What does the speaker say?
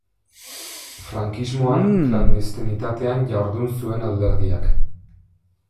Frankismoan klandestinitatean jardun zuen alderdiak.